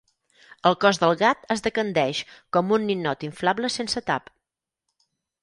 El cos del gat es decandeix com un ninot inflable sense tap.